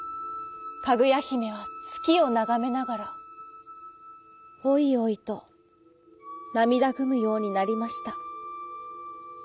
かぐやひめはつきをながめながらおいおいとなみだぐむようになりました。